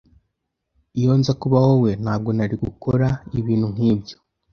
Iyo nza kuba wowe, ntabwo nari gukora ibintu nkibyo.